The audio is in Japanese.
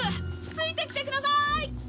ついてきてくださーい！